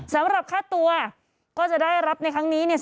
สำหรับค่าตัวก็จะได้รับในครั้งนี้เนี่ย